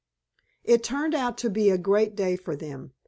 It turned out to be a great day for them.